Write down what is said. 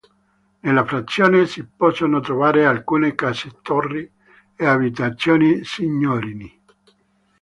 Nella frazione si possono trovare alcune case-torri e abitazioni signorili.